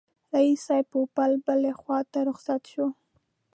رییس صاحب پوپل بلي خواته رخصت شو.